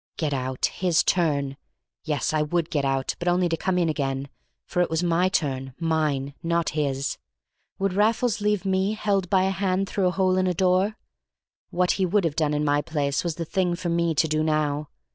Get out! His turn! Yes, I would get out, but only to come in again, for it was my turn—mine—not his. Would Raffles leave me held by a hand through a hole in a door? What he would have done in my place was the thing for me to do now.